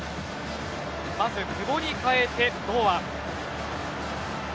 まず久保に代えて堂安。